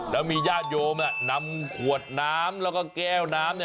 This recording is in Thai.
แล้วมีญาติโยมนำขวดน้ำแล้วก็แก้วน้ำ